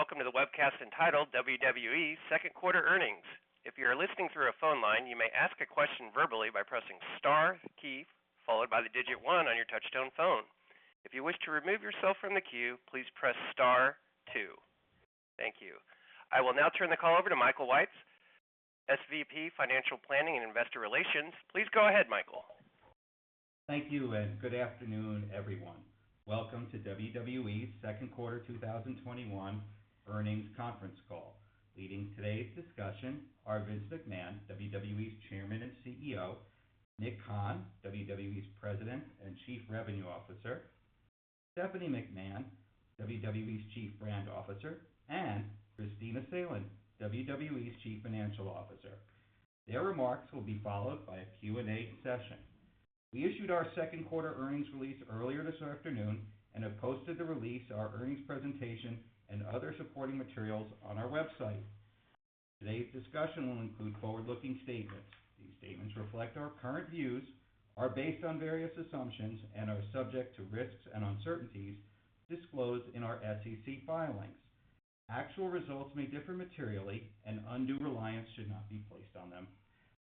Hello. Welcome to the webcast entitled WWE Second Quarter Earnings. If you are listening for a phone line you may ask a question verbally by pressing star key followed by a digit one on your touch tone phone. If you wish to remove yourself from the queue, please press star two, thank you. I will now turn the call over to Michael Weitz, Senior Vice President, Financial Planning and Investor Relations. Please go ahead, Michael. Thank you, and good afternoon, everyone. Welcome to WWE's second quarter 2021 earnings conference call. Leading today's discussion are Vince McMahon, WWE's Chairman and CEO, Nick Khan, WWE's President and Chief Revenue Officer, Stephanie McMahon, WWE's Chief Brand Officer, and Kristina Salen, WWE's Chief Financial Officer. Their remarks will be followed by a Q&A session. We issued our second quarter earnings release earlier this afternoon and have posted the release, our earnings presentation, and other supporting materials on our website. Today's discussion will include forward-looking statements. These statements reflect our current views, are based on various assumptions and are subject to risks and uncertainties disclosed in our SEC filings. Actual results may differ materially, and undue reliance should not be placed on them.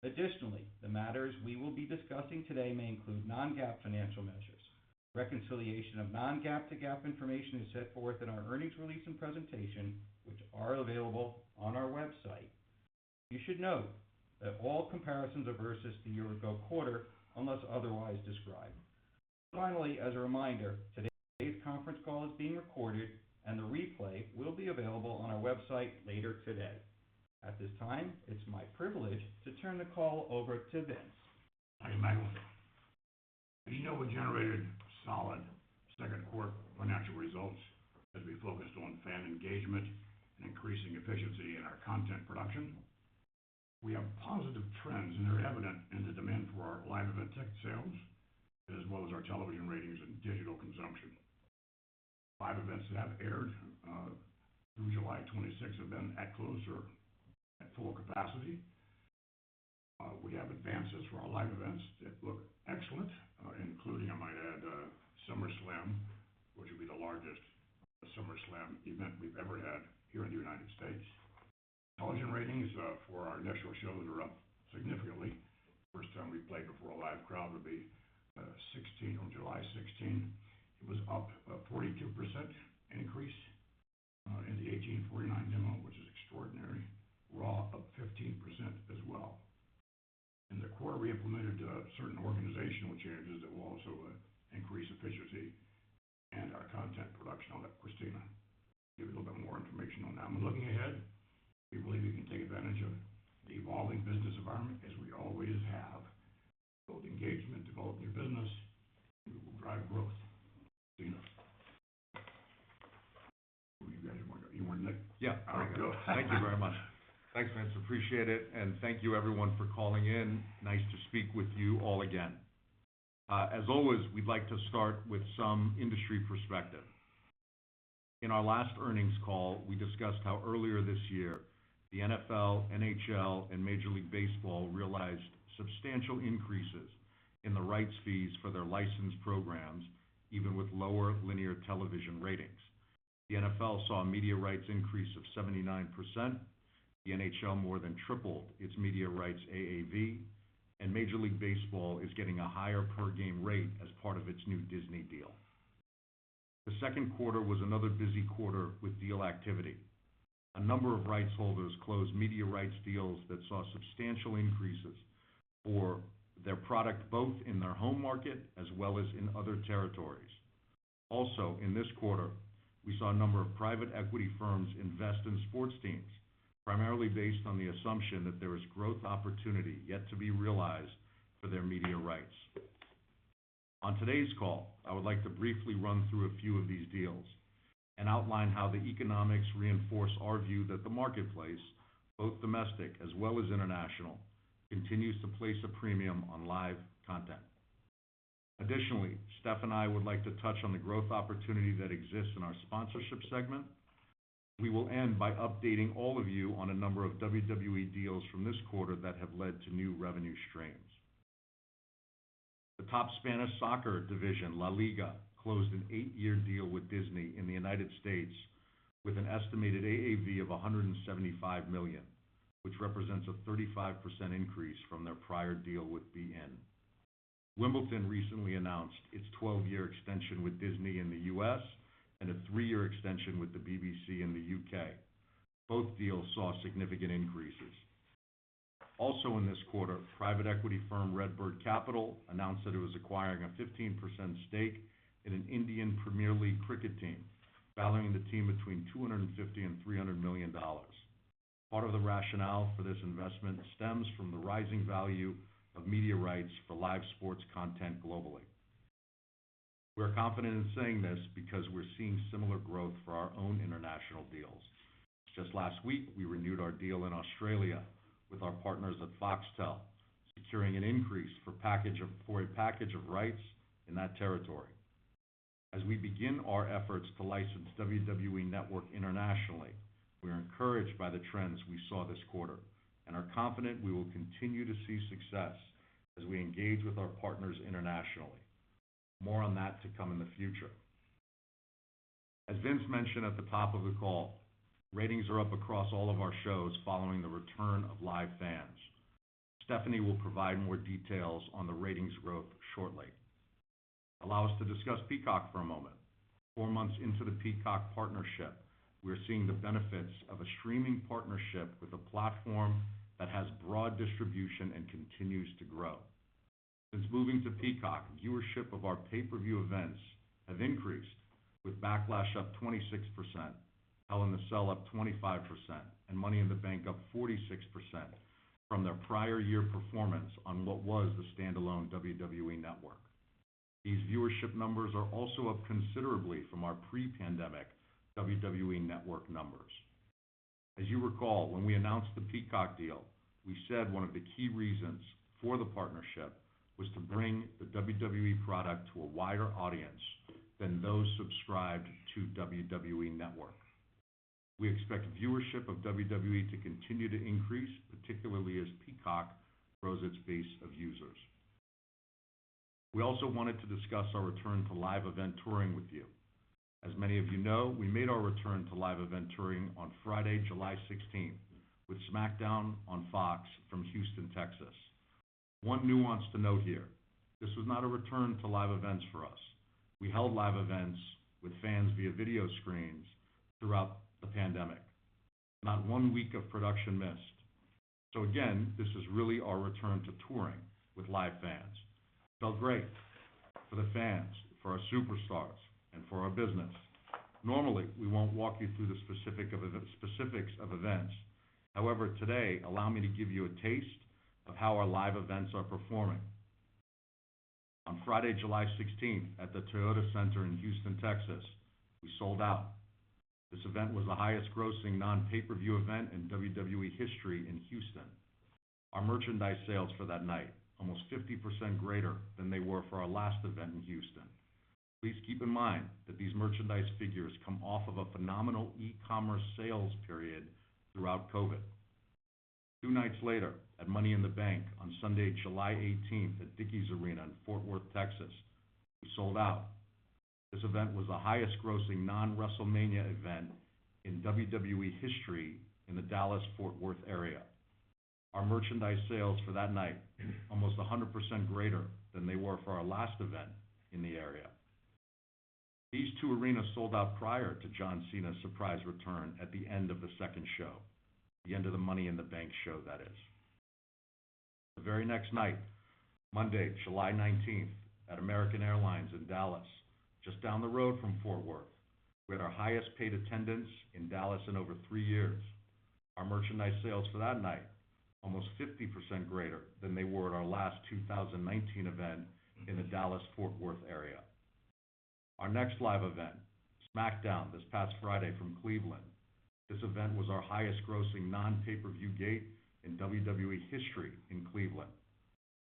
Additionally, the matters we will be discussing today may include non-GAAP financial measures. Reconciliation of non-GAAP to GAAP information is set forth in our earnings release and presentation, which are available on our website. You should note that all comparisons are versus the year-ago quarter, unless otherwise described. Finally, as a reminder, today's conference call is being recorded, and the replay will be available on our website later today. At this time, it's my privilege to turn the call over to Vince. Thank you, Michael. As you know, we generated solid second quarter financial results as we focused on fan engagement and increasing efficiency in our content production. We have positive trends, and they're evident in the demand for our live event ticket sales, as well as our television ratings and digital consumption. Live events that have aired through July 26th have been at close or at full capacity. We have advances for our live events that look excellent, including, I might add, SummerSlam, which will be the largest SummerSlam event we've ever had here in the U.S. Television ratings for our initial shows are up significantly. First time we played before a live crowd would be on July 16th. It was up a 42% increase in the 18-49 demo, which is extraordinary, Raw up 15% as well. In the quarter, we implemented certain organizational changes that will also increase efficiency and our content production. I'll let Kristina give you a little bit more information on that one. Looking ahead, we believe we can take advantage of the evolving business environment as we always have. Build engagement, develop new business. We will drive growth. Kristina, You want to go? Yeah. All right, go. Thank you very much. Thanks, Vince. Appreciate it. Thank you everyone for calling in. Nice to speak with you all again. As always, we'd like to start with some industry perspective. In our last earnings call, we discussed how earlier this year, the NFL, NHL, and Major League Baseball realized substantial increases in the rights fees for their licensed programs, even with lower linear television ratings. The NFL saw a media rights increase of 79%, the NHL more than tripled its media rights AAV, and Major League Baseball is getting a higher per-game rate as part of its new Disney deal. The second quarter was another busy quarter with deal activity. A number of rights holders closed media rights deals that saw substantial increases for their product, both in their home market as well as in other territories. Also, in this quarter, we saw a number of private equity firms invest in sports teams, primarily based on the assumption that there is growth opportunity yet to be realized for their media rights. On today's call, I would like to briefly run through a few of these deals and outline how the economics reinforce our view that the marketplace, both domestic as well as international, continues to place a premium on live content. Additionally, Steph and I would like to touch on the growth opportunity that exists in our sponsorship segment. We will end by updating all of you on a number of WWE deals from this quarter that have led to new revenue streams. The top Spanish soccer division, La Liga, closed an eight-year deal with Disney in the U.S. with an estimated AAV of $175 million, which represents a 35% increase from their prior deal with beIN SPORTS. Wimbledon recently announced its 12-year extension with Disney in the U.S. and a three-year extension with the BBC in the U.K. Both deals saw significant increases. Also in this quarter, private equity firm RedBird Capital announced that it was acquiring a 15% stake in an Indian Premier League cricket team, valuing the team between $250 million and $300 million. Part of the rationale for this investment stems from the rising value of media rights for live sports content globally. We're confident in saying this because we're seeing similar growth for our own international deals. Just last week, we renewed our deal in Australia with our partners at Foxtel, securing an increase for a package of rights in that territory. As we begin our efforts to license WWE Network internationally, encouraged by the trends we saw this quarter and are confident we will continue to see success as we engage with our partners internationally. More on that to come in the future. As Vince mentioned at the top of the call, ratings are up across all of our shows following the return of live fans. Stephanie will provide more details on the ratings growth shortly. Allow us to discuss Peacock for a moment. Four months into the Peacock partnership, we are seeing the benefits of a streaming partnership with a platform that has broad distribution and continues to grow. Since moving to Peacock, viewership of our pay-per-view events have increased, with Backlash up 26%, Hell in the Cell up 25%, and Money in the Bank up 46% from their prior year performance on what was the standalone WWE Network. These viewership numbers are also up considerably from our pre-pandemic WWE Network numbers. As you recall, when we announced the Peacock deal, we said one of the key reasons for the partnership was to bring the WWE product to a wider audience than those subscribed to WWE Network. We expect viewership of WWE to continue to increase, particularly as Peacock grows its base of users. We also wanted to discuss our return to live event touring with you. As many of you know, we made our return to live event touring on Friday, July 16th, with SmackDown on Fox from Houston, Texas. One nuance to note here, this was not a return to live events for us. We held live events with fans via video screens throughout the pandemic. Not one week of production missed. Again, this is really our return to touring with live fans. It felt great for the fans, for our Superstars, and for our business. Normally, we won't walk you through the specifics of events. However, today allow me to give you a taste of how our live events are performing. On Friday, July 16th, at the Toyota Center in Houston, Texas, we sold out. This event was the highest-grossing non-pay-per-view event in WWE history in Houston. Our merchandise sales for that night, almost 50% greater than they were for our last event in Houston. Please keep in mind that these merchandise figures come off of a phenomenal e-commerce sales period throughout COVID. Two nights later, at Money in the Bank on Sunday, July 18th, at Dickies Arena in Fort Worth, Texas, we sold out. This event was the highest-grossing non-WrestleMania event in WWE history in the Dallas-Fort Worth area. Our merchandise sales for that night, almost 100% greater than they were for our last event in the area. These two arenas sold out prior to John Cena's surprise return at the end of the second show, the end of the Money in the Bank show, that is. The very next night, Monday, July 19th, at American Airlines in Dallas, just down the road from Fort Worth, we had our highest paid attendance in Dallas in over three years. Our merchandise sales for that night, almost 50% greater than they were at our last 2019 event in the Dallas-Fort Worth area. Our next live event, SmackDown this past Friday from Cleveland. This event was our highest-grossing non-pay-per-view gate in WWE history in Cleveland.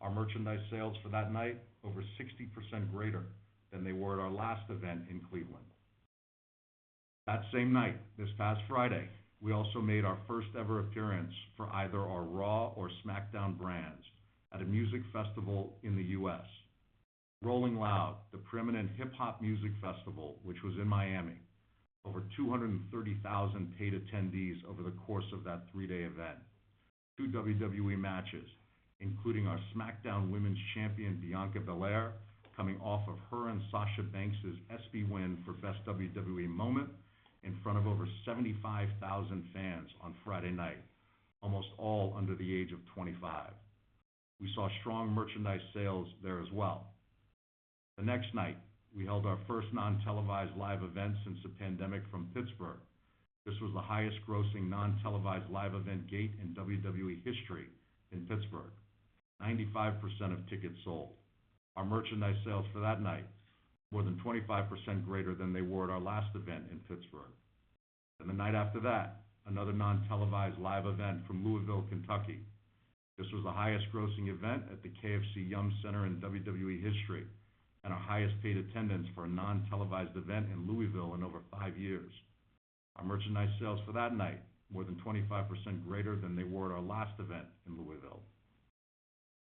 Our merchandise sales for that night, over 60% greater than they were at our last event in Cleveland. That same night, this past Friday, we also made our first-ever appearance for either our Raw or SmackDown brands at a music festival in the U.S. Rolling Loud, the preeminent hip hop music festival, which was in Miami. Over 230,000 paid attendees over the course of that three-day event. Two WWE matches, including our SmackDown Women's Champion, Bianca Belair, coming off of her and Sasha Banks' ESPY win for best WWE moment in front of over 75,000 fans on Friday night, almost all under the age of 25. We saw strong merchandise sales there as well. The next night, we held our first non-televised live event since the pandemic from Pittsburgh. This was the highest-grossing non-televised live event gate in WWE history in Pittsburgh. 95% of tickets sold. Our merchandise sales for that night, more than 25% greater than they were at our last event in Pittsburgh. The night after that, another non-televised live event from Louisville, Kentucky. This was the highest-grossing event at the KFC Yum! Center in WWE history, and our highest paid attendance for a non-televised event in Louisville in over five years. Our merchandise sales for that night, more than 25% greater than they were at our last event in Louisville.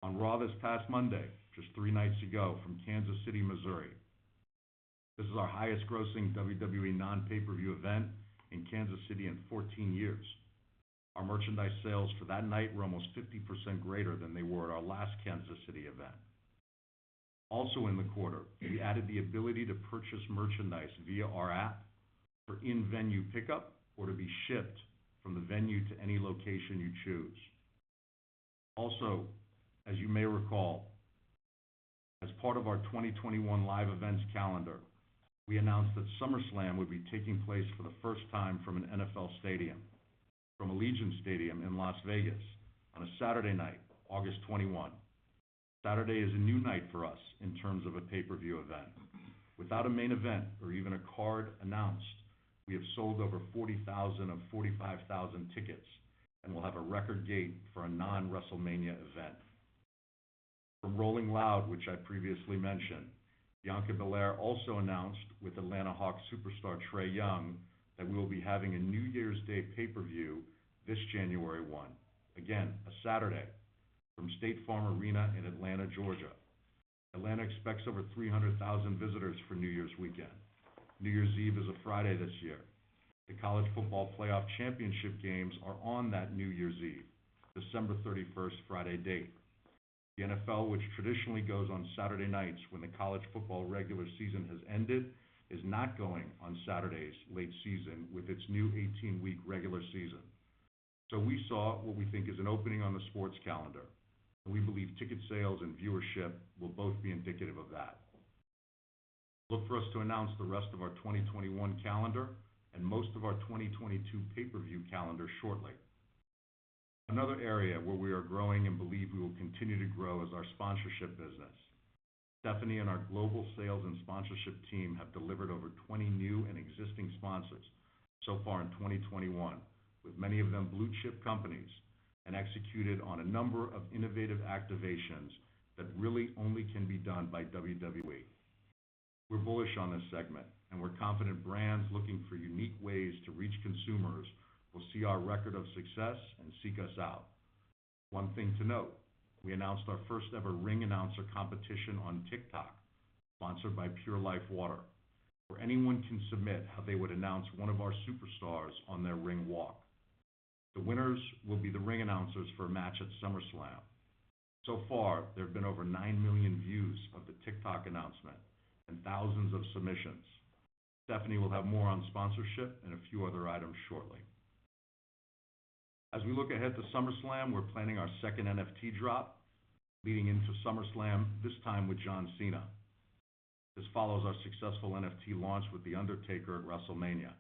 On Raw this past Monday, just three nights ago, from Kansas City, Missouri. This is our highest-grossing WWE non-pay-per-view event in Kansas City in 14 years. Our merchandise sales for that night were almost 50% greater than they were at our last Kansas City event. Also in the quarter, we added the ability to purchase merchandise via our app for in-venue pickup or to be shipped from the venue to any location you choose. Also, as you may recall, as part of our 2021 live events calendar, we announced that SummerSlam would be taking place for the first time from an NFL stadium. From Allegiant Stadium in Las Vegas on a Saturday night, August 21. Saturday is a new night for us in terms of a pay-per-view event. Without a main event or even a card announced, we have sold over 40,000 of 45,000 tickets, and we'll have a record gate for a non-WrestleMania event. From Rolling Loud, which I previously mentioned, Bianca Belair also announced with Atlanta Hawks superstar Trae Young that we will be having a New Year's Day pay-per-view this January 1. Again, a Saturday from State Farm Arena in Atlanta, Georgia. Atlanta expects over 300,000 visitors for New Year's weekend. New Year's Eve is a Friday this year. The College Football Playoff championship games are on that New Year's Eve, December 31st Friday date. The NFL, which traditionally goes on Saturday nights when the college football regular season has ended, is not going on Saturdays late season with its new 18-week regular season. We saw what we think is an opening on the sports calendar, and we believe ticket sales and viewership will both be indicative of that. Look for us to announce the rest of our 2021 calendar and most of our 2022 pay-per-view calendar shortly. Another area where we are growing and believe we will continue to grow is our sponsorship business. Stephanie and our global sales and sponsorship team have delivered over 20 new and existing sponsors so far in 2021, with many of them blue-chip companies, and executed on a number of innovative activations that really only can be done by WWE. We're bullish on this segment, and we're confident brands looking for unique ways to reach consumers will see our record of success and seek us out. One thing to note, we announced our first-ever ring announcer competition on TikTok, sponsored by Pure Life Water, where anyone can submit how they would announce one of our superstars on their ring walk. The winners will be the ring announcers for a match at SummerSlam. So far, there have been over 9 million views of the TikTok announcement and thousands of submissions. Stephanie will have more on sponsorship and a few other items shortly. As we look ahead to SummerSlam, we're planning our second NFT drop leading into SummerSlam, this time with John Cena. This follows our successful NFT launch with The Undertaker at WrestleMania.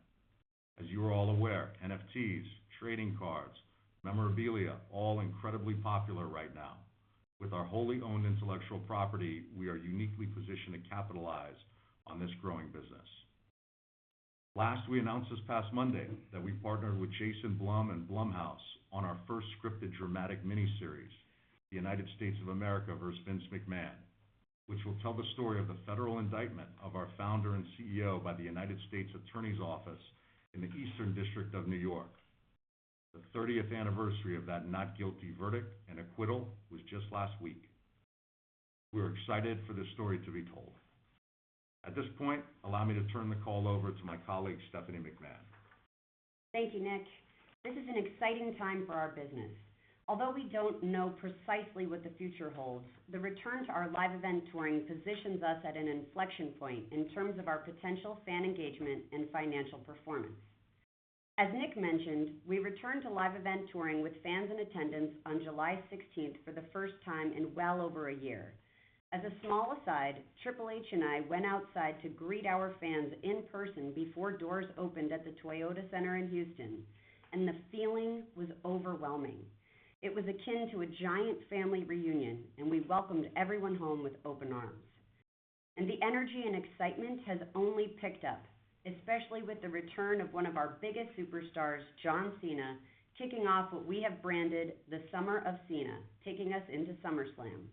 As you are all aware, NFTs, trading cards, memorabilia, all incredibly popular right now. With our wholly owned intellectual property, we are uniquely positioned to capitalize on this growing business. Last, we announced this past Monday that we partnered with Jason Blum and Blumhouse on our first scripted dramatic miniseries, "The United States of America vs. Vince McMahon," which will tell the story of the federal indictment of our founder and CEO by the United States Attorney's Office in the Eastern District of New York. The 30th anniversary of that not guilty verdict and acquittal was just last week. We're excited for this story to be told. At this point, allow me to turn the call over to my colleague, Stephanie McMahon. Thank you, Nick. This is an exciting time for our business. Although we don't know precisely what the future holds, the return to our live event touring positions us at an inflection point in terms of our potential fan engagement and financial performance. As Nick mentioned, we returned to live event touring with fans in attendance on July 16th for the first time in well over a year. As a small aside, Triple H and I went outside to greet our fans in person before doors opened at the Toyota Center in Houston, and the feeling was overwhelming. It was akin to a giant family reunion, and we welcomed everyone home with open arms. The energy and excitement has only picked up, especially with the return of one of our biggest superstars, John Cena, kicking off what we have branded The Summer of Cena, taking us into SummerSlam.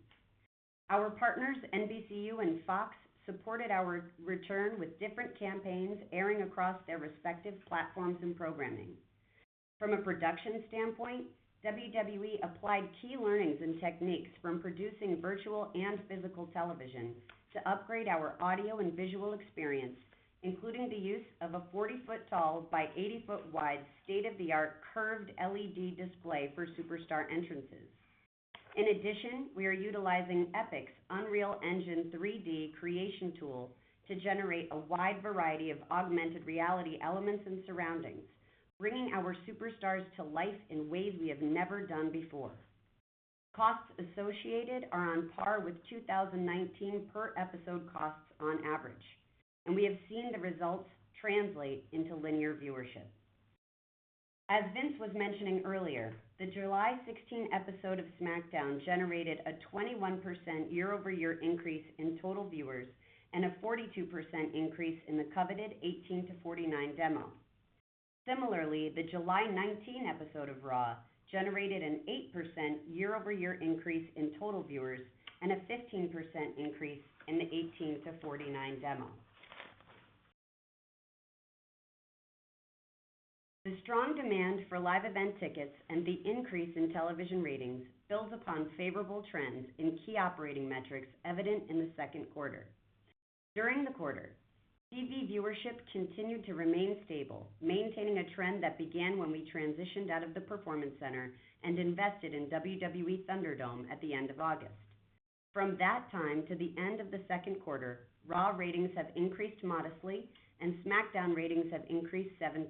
Our partners, NBCU and Fox, supported our return with different campaigns airing across their respective platforms and programming. From a production standpoint, WWE applied key learnings and techniques from producing virtual and physical television to upgrade our audio and visual experience, including the use of a 40-foot tall by 80-foot wide state-of-the-art curved LED display for superstar entrances. In addition, we are utilizing Epic's Unreal Engine 3D creation tool to generate a wide variety of augmented reality elements and surroundings, bringing our superstars to life in ways we have never done before. Costs associated are on par with 2019 per-episode costs on average, and we have seen the results translate into linear viewership. As Vince was mentioning earlier, the July 16 episode of SmackDown generated a 21% year-over-year increase in total viewers and a 42% increase in the coveted 18-49 demo. Similarly, the July 19 episode of Raw generated an 8% year-over-year increase in total viewers and a 15% increase in the 18-49 demo. The strong demand for live event tickets and the increase in television ratings builds upon favorable trends in key operating metrics evident in the second quarter. During the quarter, TV viewership continued to remain stable, maintaining a trend that began when we transitioned out of the Performance Center and invested in WWE ThunderDome at the end of August. From that time to the end of the second quarter, Raw ratings have increased modestly, and "SmackDown" ratings have increased 7%.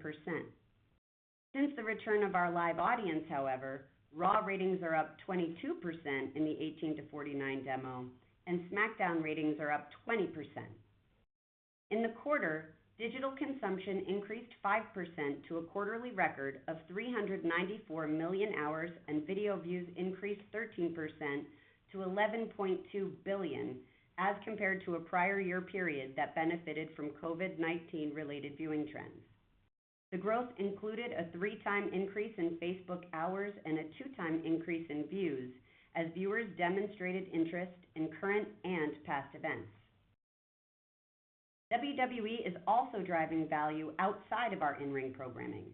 Since the return of our live audience, however, "Raw" ratings are up 22% in the 18-49 demo, and "SmackDown" ratings are up 20%. In the quarter, digital consumption increased 5% to a quarterly record of 394 million hours, and video views increased 13% to 11.2 billion, as compared to a prior year period that benefited from COVID-19 related viewing trends. The growth included a three times increase in Facebook hours and a two times increase in views as viewers demonstrated interest in current and past events. WWE is also driving value outside of our in-ring programming.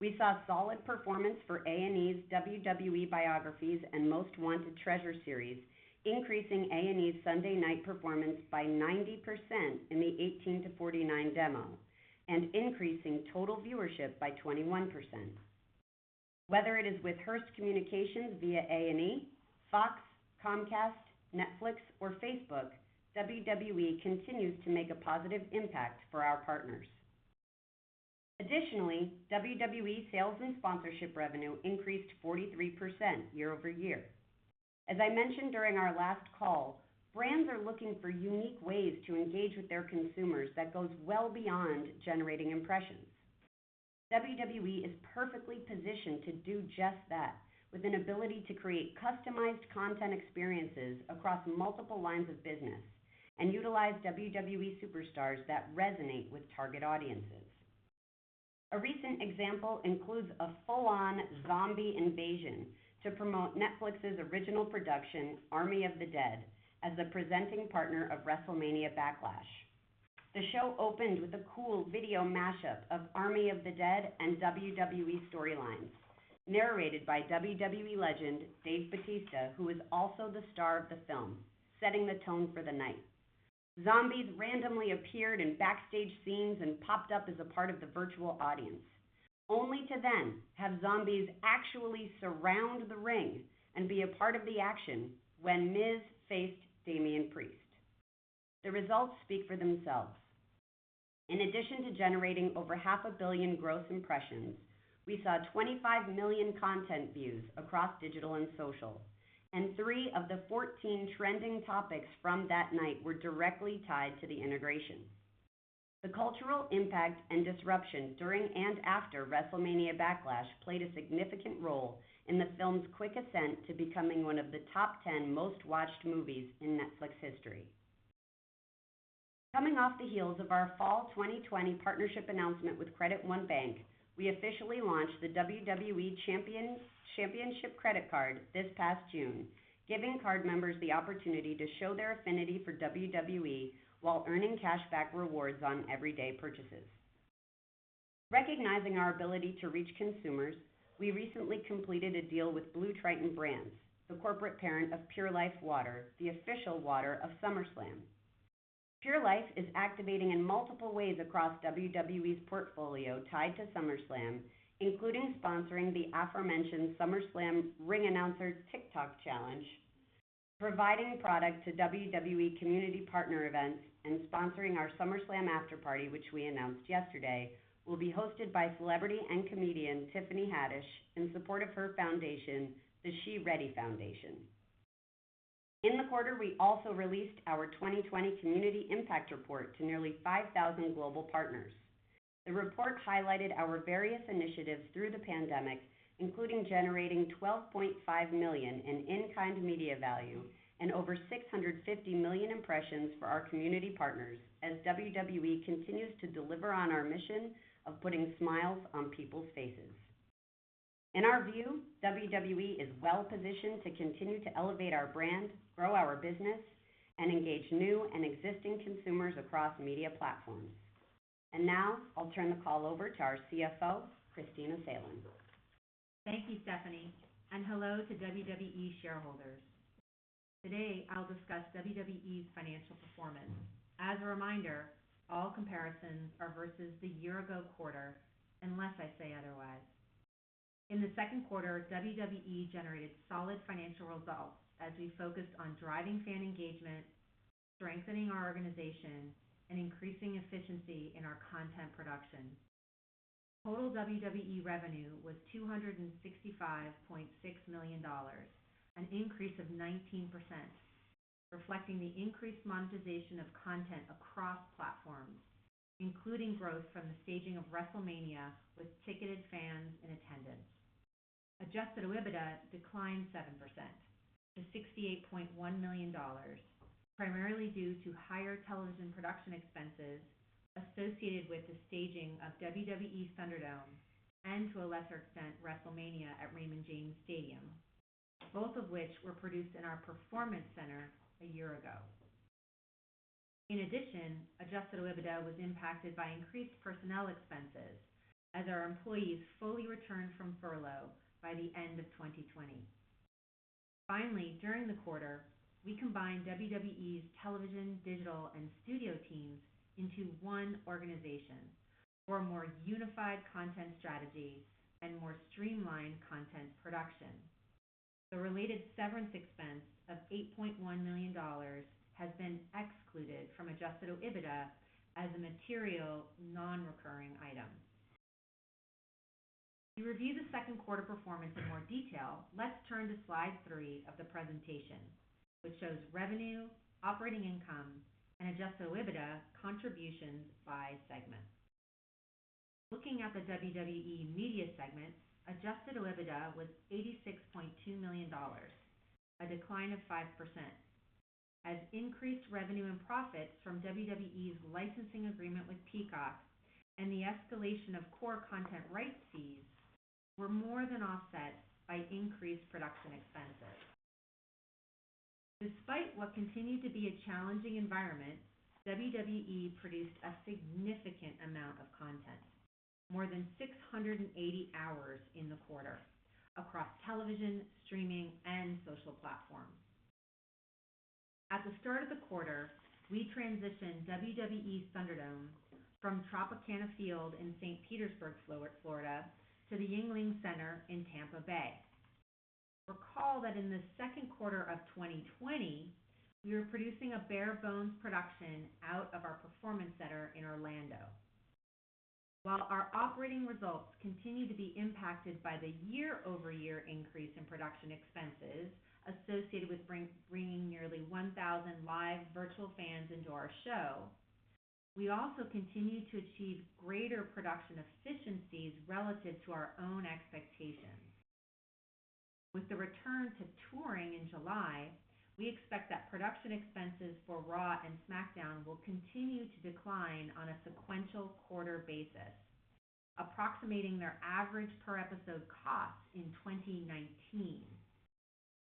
We saw solid performance for A&E's WWE Biographies and Most Wanted Treasures series, increasing A&E's Sunday night performance by 90% in the 18-49 demo, and increasing total viewership by 21%. Whether it is with Hearst Communications via A&E, Fox, Comcast, Netflix, or Facebook, WWE continues to make a positive impact for our partners. Additionally, WWE sales and sponsorship revenue increased 43% year-over-year. As I mentioned during our last call, brands are looking for unique ways to engage with their consumers that goes well beyond generating impressions. WWE is perfectly positioned to do just that with an ability to create customized content experiences across multiple lines of business and utilize WWE superstars that resonate with target audiences. A recent example includes a full-on zombie invasion to promote Netflix's original production, "Army of the Dead," as the presenting partner of WrestleMania Backlash. The show opened with a cool video mashup of "Army of the Dead" and WWE storylines, narrated by WWE legend Dave Bautista, who is also the star of the film, setting the tone for the night. Zombies randomly appeared in backstage scenes and popped up as a part of the virtual audience, only to then have zombies actually surround the ring and be a part of the action when Miz faced Damian Priest. The results speak for themselves. In addition to generating over half a billion gross impressions, we saw 25 million content views across digital and social, and 13 of the 14 trending topics from that night were directly tied to the integration. The cultural impact and disruption during and after WrestleMania Backlash played a significant role in the film's quick ascent to becoming one of the top 10 most-watched movies in Netflix history. Coming off the heels of our fall 2020 partnership announcement with Credit One Bank, we officially launched the WWE Champion Credit Card this past June, giving card members the opportunity to show their affinity for WWE while earning cashback rewards on everyday purchases. Recognizing our ability to reach consumers, we recently completed a deal with BlueTriton Brands, the corporate parent of Pure Life Water, the official water of SummerSlam. Pure Life is activating in multiple ways across WWE's portfolio tied to SummerSlam, including sponsoring the aforementioned SummerSlam ring announcer TikTok challenge, providing product to WWE community partner events, and sponsoring our SummerSlam afterparty, which we announced yesterday will be hosted by celebrity and comedian Tiffany Haddish in support of her foundation, the She Ready Foundation. In the quarter, we also released our 2020 community impact report to nearly 5,000 global partners. The report highlighted our various initiatives through the pandemic, including generating $12.5 million in in-kind media value and over 650 million impressions for our community partners as WWE continues to deliver on our mission of putting smiles on people's faces. In our view, WWE is well positioned to continue to elevate our brand, grow our business, and engage new and existing consumers across media platforms. Now I'll turn the call over to our CFO, Kristina Salen. Thank you, Stephanie, and hello to WWE shareholders. Today, I'll discuss WWE's financial performance. As a reminder, all comparisons are versus the year-ago quarter unless I say otherwise. In the second quarter, WWE generated solid financial results as we focused on driving fan engagement, strengthening our organization, and increasing efficiency in our content production. Total WWE revenue was $265.6 million, an increase of 19%, reflecting the increased monetization of content across platforms, including growth from the staging of WrestleMania with ticketed fans in attendance. Adjusted OIBDA declined 7% to $68.1 million, primarily due to higher television production expenses associated with the staging of WWE ThunderDome and, to a lesser extent, WrestleMania at Raymond James Stadium, both of which were produced in our performance center a year ago. In addition, adjusted OIBDA was impacted by increased personnel expenses as our employees fully returned from furlough by the end of 2020. Finally, during the quarter, we combined WWE's television, digital, and studio teams into one organization for a more unified content strategy and more streamlined content production. The related severance expense of $8.1 million has been excluded from adjusted OIBDA as a material non-recurring item. To review the second quarter performance in more detail, let's turn to slide three of the presentation, which shows revenue, operating income, and adjusted OIBDA contributions by segment. Looking at the WWE Media segment, adjusted OIBDA was $86.2 million, a decline of 5%. As increased revenue and profit from WWE's licensing agreement with Peacock and the escalation of core content right fees were more than offset by increased production expenses. Despite what continued to be a challenging environment, WWE produced a significant amount of content, more than 680 hours in the quarter, across television, streaming, and social platforms. At the start of the quarter, we transitioned WWE ThunderDome from Tropicana Field in St. Petersburg, Florida, to the Yuengling Center in Tampa Bay. Recall that in the second quarter of 2020, we were producing a bare-bones production out of our Performance Center in Orlando. While our operating results continue to be impacted by the year-over-year increase in production expenses associated with bringing nearly 1,000 live virtual fans into our show, we also continue to achieve greater production efficiencies relative to our own expectations. With the return to touring in July, we expect that production expenses for RAW and SmackDown will continue to decline on a sequential quarter basis, approximating their average per episode cost in 2019.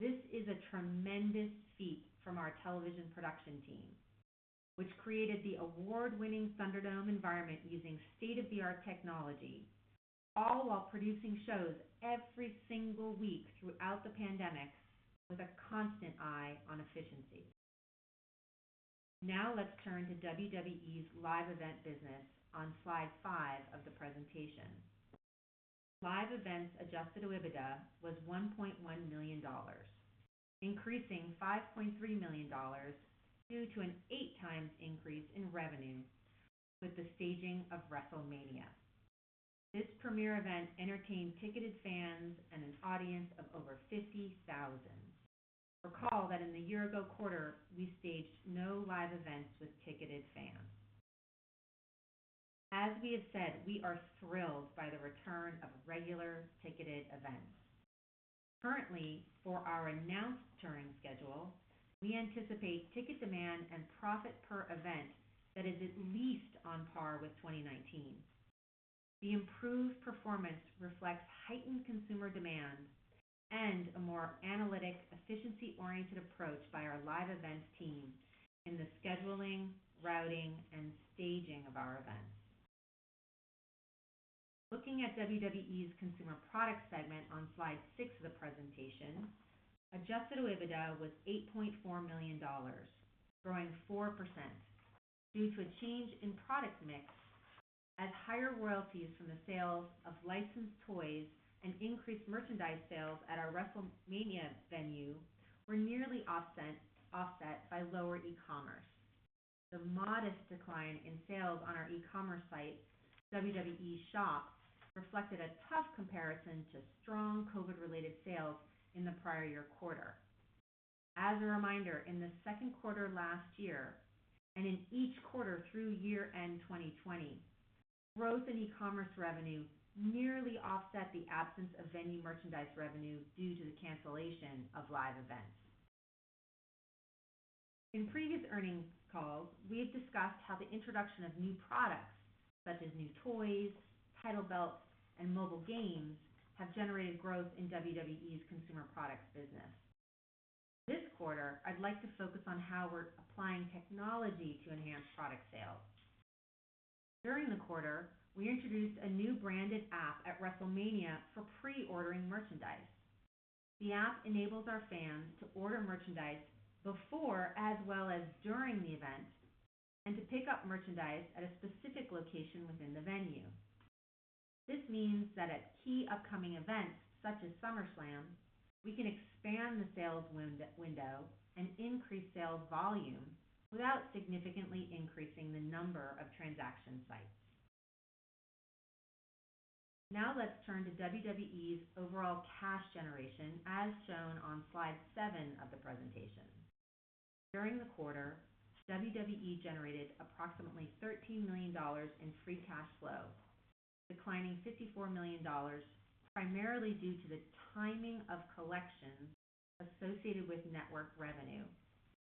This is a tremendous feat from our television production team, which created the award-winning ThunderDome environment using state-of-the-art technology, all while producing shows every single week throughout the pandemic with a constant eye on efficiency. Now let's turn to WWE's live event business on slide five of the presentation. Live Events adjusted OIBDA was $1.1 million, increasing $5.3 million due to an eight times increase in revenue with the staging of WrestleMania. This premier event entertained ticketed fans and an audience of over 50,000. Recall that in the year-ago quarter, we staged no live events with ticketed fans. As we have said, we are thrilled by the return of regular ticketed events. Currently, for our announced touring schedule, we anticipate ticket demand and profit per event that is at least on par with 2019. The improved performance reflects heightened consumer demand and a more analytic, efficiency-oriented approach by our Live Event team in the scheduling, routing, and staging of our events. Looking at WWE's Consumer Products segment on slide six of the presentation, adjusted OIBDA was $8.4 million, growing 4% due to a change in product mix as higher royalties from the sales of licensed toys and increased merchandise sales at our WrestleMania venue were nearly offset by lower e-commerce. The modest decline in sales on our e-commerce site, WWE Shop, reflected a tough comparison to strong COVID-related sales in the prior year quarter. As a reminder, in the second quarter last year, and in each quarter through year-end 2020, growth in e-commerce revenue nearly offset the absence of venue merchandise revenue due to the cancellation of live events. In previous earnings calls, we have discussed how the introduction of new products such as new toys, title belts, and mobile games have generated growth in WWE's Consumer Products business. This quarter, I'd like to focus on how we're applying technology to enhance product sales. During the quarter, we introduced a new branded app at WrestleMania for pre-ordering merchandise. The app enables our fans to order merchandise before as well as during the event, and to pick up merchandise at a specific location within the venue. This means that at key upcoming events such as SummerSlam, we can expand the sales window and increase sales volume without significantly increasing the number of transaction sites. Let's turn to WWE's overall cash generation, as shown on slide seven of the presentation. During the quarter, WWE generated approximately $13 million in free cash flow, declining $54 million primarily due to the timing of collections associated with network revenue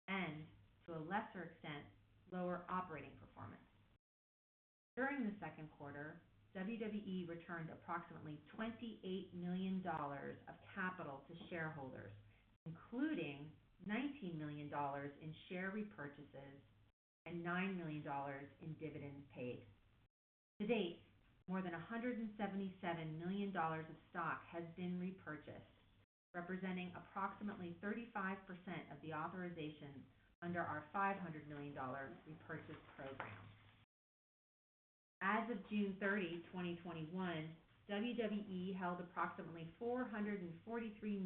and, to a lesser extent, lower operating performance. During the second quarter, WWE returned approximately $28 million of capital to shareholders, including $19 million in share repurchases and $9 million in dividends paid. To date, more than $177 million of stock has been repurchased, representing approximately 35% of the authorization under our $500 million repurchase program. As of June 30, 2021, WWE held approximately $443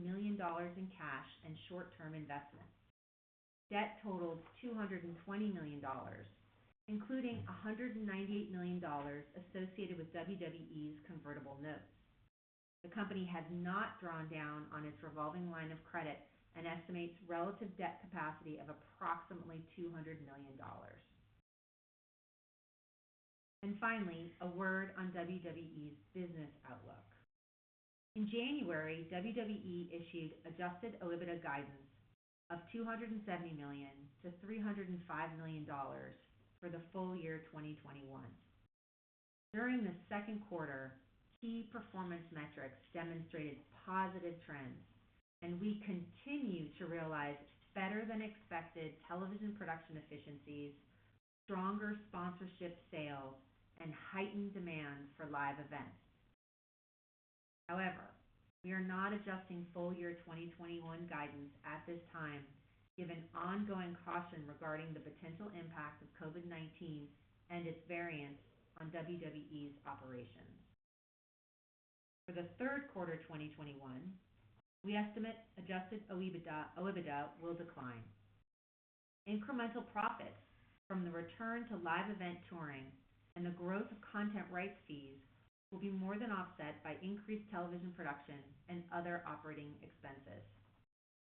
million in cash and short-term investments. Debt totaled $220 million, including $198 million associated with WWE's convertible notes. The company has not drawn down on its revolving line of credit and estimates relative debt capacity of approximately $200 million. Finally, a word on WWE's business outlook. In January, WWE issued adjusted OIBDA guidance of $270 million-$305 million for the full year 2021. During the second quarter, key performance metrics demonstrated positive trends, and we continue to realize better than expected television production efficiencies, stronger sponsorship sales, and heightened demand for live events. However, we are not adjusting full-year 2021 guidance at this time, given ongoing caution regarding the potential impact of COVID-19 and its variants on WWE's operations. For the third quarter 2021, we estimate adjusted OIBDA will decline. Incremental profits from the return to live event touring and the growth of content rights fees will be more than offset by increased television production and other operating expenses.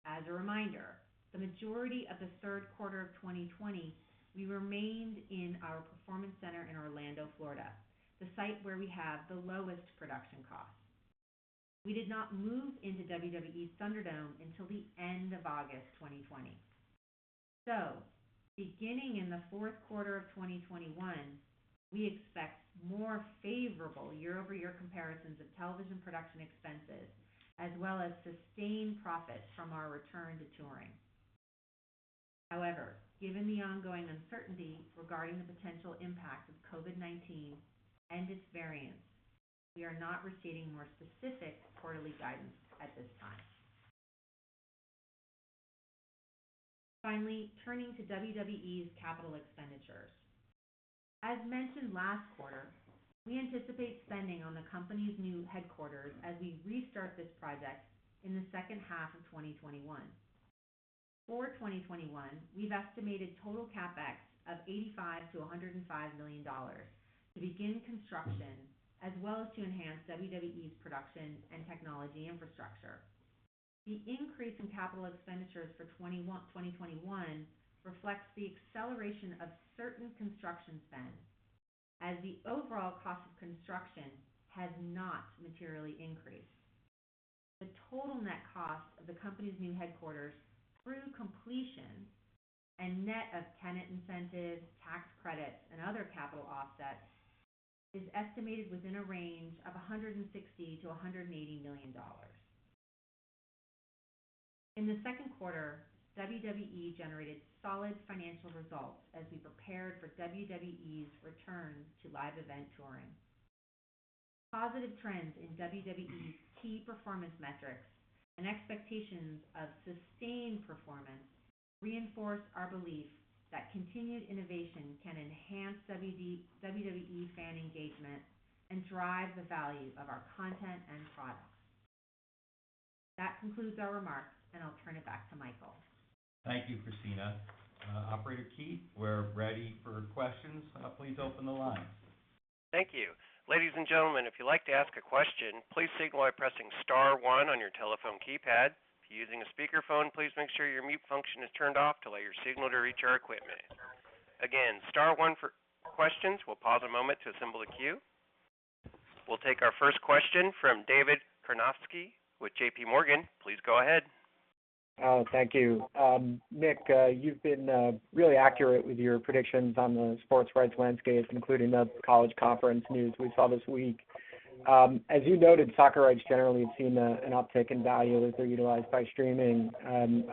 As a reminder, the majority of the third quarter of 2020, we remained in our performance center in Orlando, Florida, the site where we have the lowest production cost. We did not move into WWE ThunderDome until the end of August 2020. Beginning in the fourth quarter of 2021, we expect more favorable year-over-year comparisons of television production expenses, as well as sustained profits from our return to touring. However, given the ongoing uncertainty regarding the potential impact of COVID-19 and its variants, we are not receiving more specific quarterly guidance at this time. Finally, turning to WWE's capital expenditures. As mentioned last quarter, we anticipate spending on the company's new headquarters as we restart this project in the second half of 2021. For 2021, we've estimated total CapEx of $85 million-$105 million to begin construction, as well as to enhance WWE's production and technology infrastructure. The increase in capital expenditures for 2021 reflects the acceleration of certain construction spend as the overall cost of construction has not materially increased. The total net cost of the company's new headquarters through completion and net of tenant incentives, tax credits, and other capital offsets is estimated within a range of $160 million-$180 million. In the second quarter, WWE generated solid financial results as we prepared for WWE's return to live event touring. Positive trends in WWE's key performance metrics and expectations of sustained performance reinforce our belief that continued innovation can enhance WWE fan engagement and drive the value of our content and products. That concludes our remarks, and I'll turn it back to Michael. Thank you, Kristina. Operator Keith, we're ready for questions. Please open the line. Thank you. Ladies and gentlemen, if you'd like to ask a question, please signal by pressing star one on your telephone keypad. If you're using a speakerphone, please make sure your mute function is turned off to let your signal to reach our equipment. Again, star one for questions. We'll pause a moment to assemble a queue. We'll take our first question from David Karnovsky with J.P. Morgan. Please go ahead. Oh, thank you. Nick, you've been really accurate with your predictions on the sports rights landscape, including the college conference news we saw this week. As you noted, soccer rights generally have seen an uptick in value as they're utilized by streaming.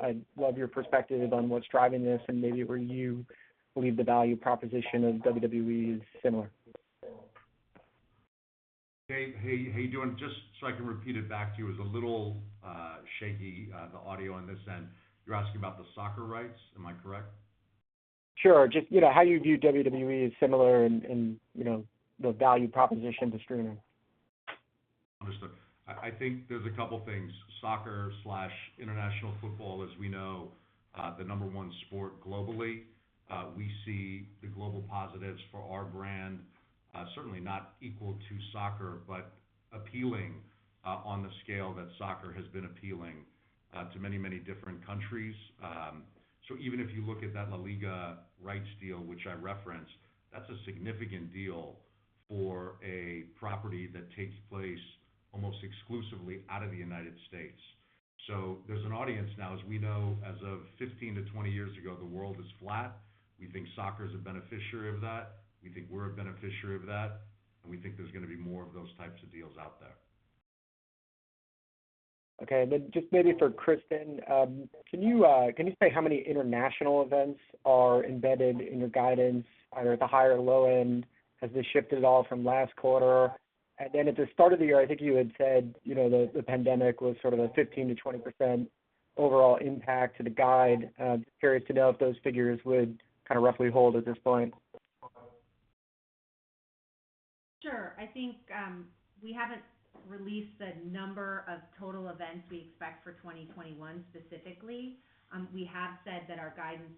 I'd love your perspective on what's driving this and maybe where you believe the value proposition of WWE is similar. Dave, how are you doing? I can repeat it back to you, it was a little shaky, the audio on this end. You're asking about the soccer rights. Am I correct? Sure. Just how you view WWE as similar in the value proposition to streaming? Understood. I think there's a couple of things. Soccer/International football as we know, the number one sport globally. We see the global positives for our brand, certainly not equal to soccer, but appealing, on the scale that soccer has been appealing to many, many different countries. Even if you look at that LaLiga rights deal, which I referenced, that's a significant deal for a property that takes place almost exclusively out of the United States. There's an audience now, as we know, as of 15-20 years ago, the world is flat. We think soccer is a beneficiary of that. We think we're a beneficiary of that, and we think there's going to be more of those types of deals out there. Okay. Just maybe for Kristin. Can you say how many international events are embedded in your guidance, either at the high or low end? Has this shifted at all from last quarter? At the start of the year, I think you had said, the pandemic was sort of a 15%-20% overall impact to the guide. Just curious to know if those figures would kind of roughly hold at this point. Sure. I think, we haven't released the number of total events we expect for 2021 specifically. We have said that our guidance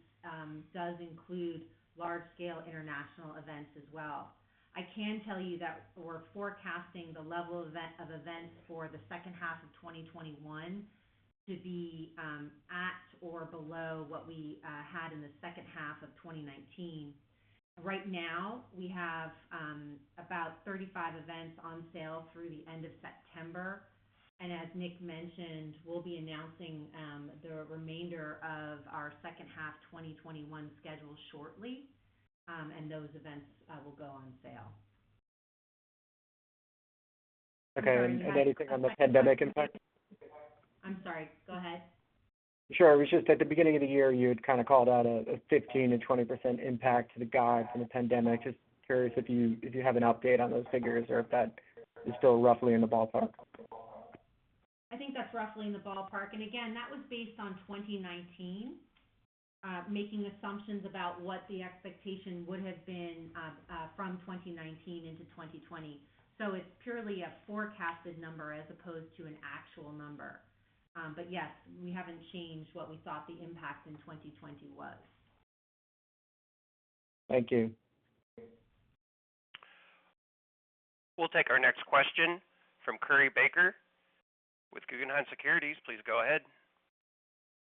does include large-scale international events as well. I can tell you that we're forecasting the level of events for the second half of 2021 to be at or below what we had in the second half of 2019. Right now, we have about 35 events on sale through the end of September, and as Nick mentioned, we'll be announcing the remainder of our second half 2021 schedule shortly, and those events will go on sale. Okay, anything on the pandemic impact? I'm sorry. Go ahead. Sure. It was just at the beginning of the year, you had called out a 15%-20% impact to the guide from the pandemic. Just curious if you have an update on those figures or if that is still roughly in the ballpark? I think that's roughly in the ballpark, and again, that was based on 2019, making assumptions about what the expectation would have been from 2019 into 2020. It's purely a forecasted number as opposed to an actual number. Yes, we haven't changed what we thought the impact in 2020 was. Thank you. We'll take our next question from Curry Baker with Guggenheim Securities. Please go ahead.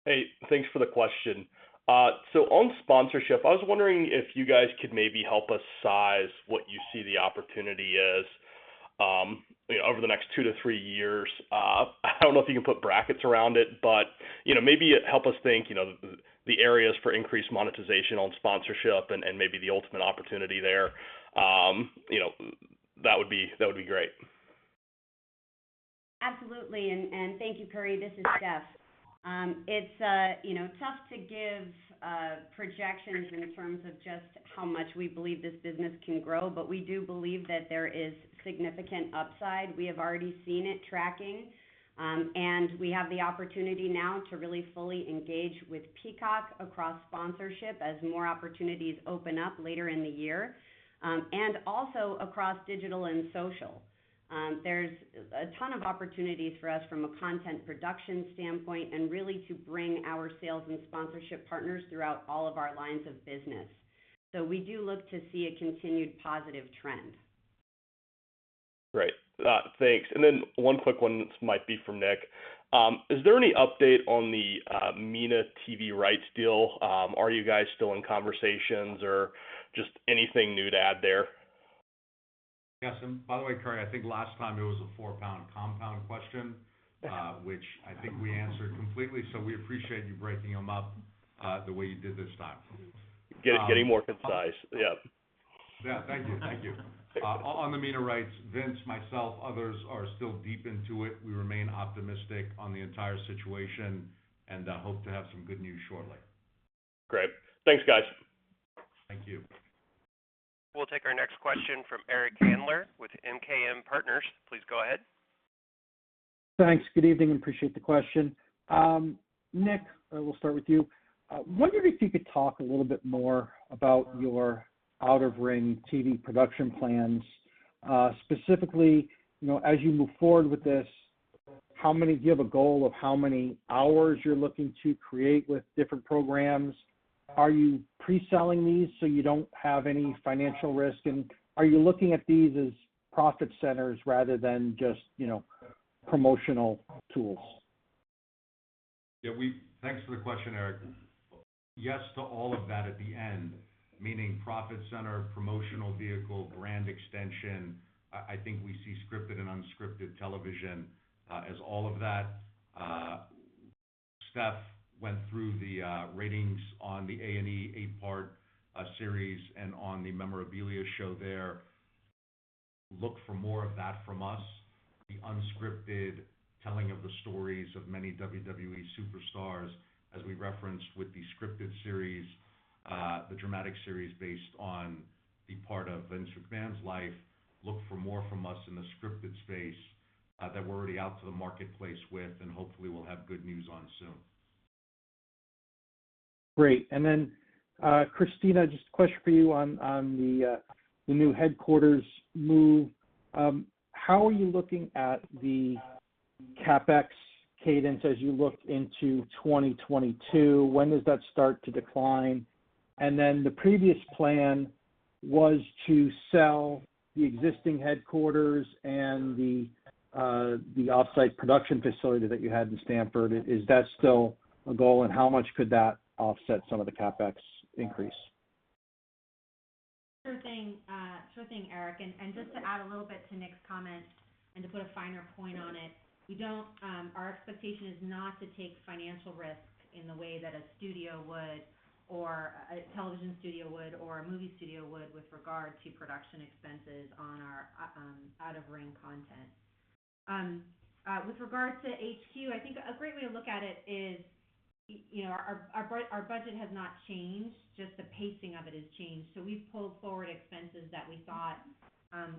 Hey, thanks for the question. On sponsorship, I was wondering if you guys could maybe help us size what you see the opportunity is over the next 2-3 years. I don't know if you can put brackets around it, but maybe help us think the areas for increased monetization on sponsorship and maybe the ultimate opportunity there. That would be great. Absolutely, and thank you, Curry. This is Steph. It is tough to give projections in terms of just how much we believe this business can grow, but we do believe that there is significant upside. We have already seen it tracking, and we have the opportunity now to really fully engage with Peacock across sponsorship as more opportunities open up later in the year. Also across digital and social. There is a ton of opportunities for us from a content production standpoint and really to bring our sales and sponsorship partners throughout all of our lines of business. We do look to see a continued positive trend. Great. Thanks. Then one quick one that might be for Nick. Is there any update on the MENA TV rights deal? Are you guys still in conversations or just anything new to add there? By the way, Curry, I think last time it was a four pound compound question, which I think we answered completely. We appreciate you breaking them up the way you did this time. Getting more concise. Yep. Yeah. Thank you. On the MENA rights, Vince, myself, others are still deep into it. We remain optimistic on the entire situation and hope to have some good news shortly. Great. Thanks, guys. Thank you. We'll take our next question from Eric Handler with MKM Partners. Please go ahead. Thanks. Good evening, appreciate the question. Nick, we'll start with you. Wondering if you could talk a little bit more about your out-of-ring TV production plans. Specifically, as you move forward with this, do you have a goal of how many hours you're looking to create with different programs? Are you pre-selling these so you don't have any financial risk, and are you looking at these as profit centers rather than just promotional tools? Yeah, thanks for the question, Eric. Yes to all of that at the end, meaning profit center, promotional vehicle, brand extension. I think we see scripted and unscripted television as all of that. Steph went through the ratings on the A&E eight part series and on the memorabilia show there. Look for more of that from us. The unscripted telling of the stories of many WWE superstars as we referenced with the scripted series, the dramatic series based on the part of Vince McMahon's life. Look for more from us in the scripted space that we're already out to the marketplace with, and hopefully we'll have good news on soon. Kristina, just a question for you on the new headquarters move. How are you looking at the CapEx cadence as you look into 2022? When does that start to decline? The previous plan was to sell the existing headquarters and the off-site production facility that you had in Stamford. Is that still a goal, and how much could that offset some of the CapEx increase? Sure thing, Eric. Just to add a little bit to Nick's comment and to put a finer point on it, our expectation is not to take financial risk in the way that a studio would, or a television studio would, or a movie studio would with regard to production expenses on our out-of-ring content. With regard to HQ, I think a great way to look at it is our budget has not changed, just the pacing of it has changed. We've pulled forward expenses that we thought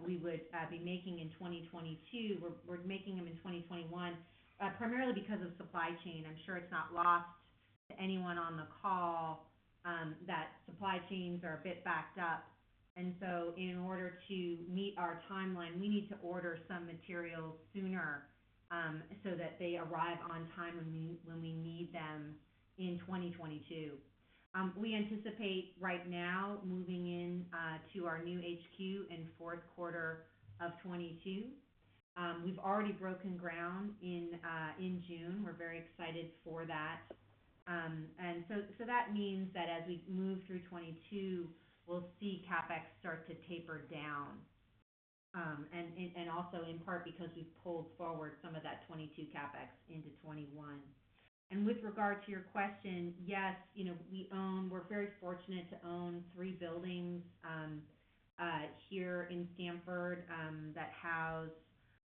we would be making in 2022. We're making them in 2021, primarily because of supply chain. I'm sure it's not lost to anyone on the call that supply chains are a bit backed up, in order to meet our timeline, we need to order some materials sooner, so that they arrive on time when we need them in 2022. We anticipate right now moving into our new HQ in fourth quarter of 2022. We've already broken ground in June, we're very excited for that. That means that as we move through 2022, we'll see CapEx start to taper down. In part because we've pulled forward some of that 2022 CapEx into 2021. With regard to your question, yes, we're very fortunate to own three buildings here in Stamford that house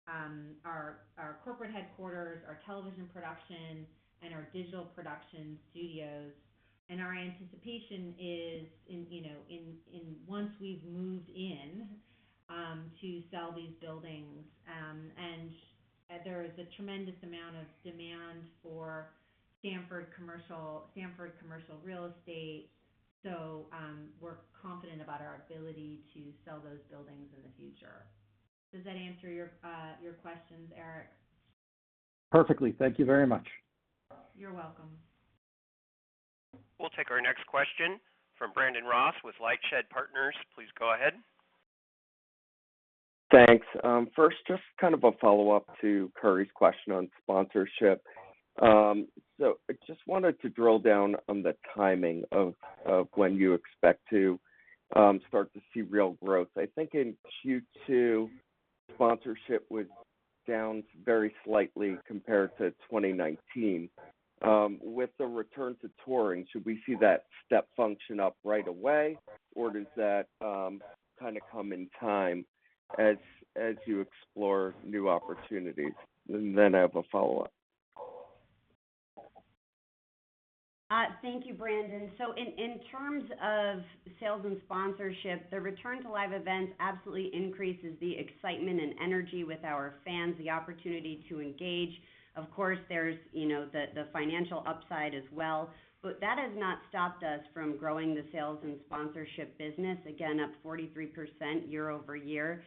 our corporate headquarters, our television production, and our digital production studios. Our anticipation is, once we've moved in, to sell these buildings. There is a tremendous amount of demand for Stamford commercial real estate. We're confident about our ability to sell those buildings in the future. Does that answer your questions, Eric? Perfectly. Thank you very much. You're welcome. We'll take our next question from Brandon Ross with LightShed Partners. Please go ahead. Thanks. First, just kind of a follow-up to Curry's question on sponsorship. I just wanted to drill down on the timing of when you expect to start to see real growth. I think in Q2, sponsorship was down very slightly compared to 2019. With the return to touring, should we see that step function up right away? Or does that kind of come in time as you explore new opportunities? I have a follow-up. Thank you, Brandon. In terms of sales and sponsorship, the return to live events absolutely increases the excitement and energy with our fans, the opportunity to engage. Of course, there's the financial upside as well. That has not stopped us from growing the sales and sponsorship business, again, up 43% year-over-year.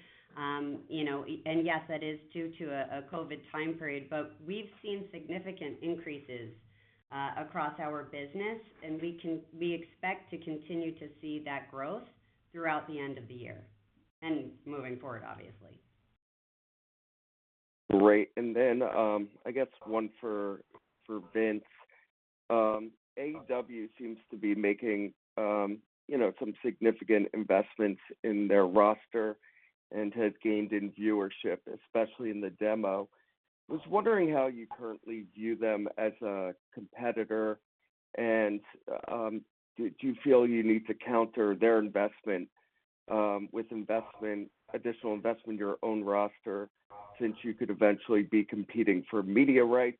Yes, that is due to a COVID time period, we've seen significant increases across our business, and we expect to continue to see that growth throughout the end of the year, and moving forward, obviously. Great. I guess one for Vince. AEW seems to be making some significant investments in their roster and has gained in viewership, especially in the demo. I was wondering how you currently view them as a competitor and do you feel you need to counter their investment with additional investment in your own roster since you could eventually be competing for media rights?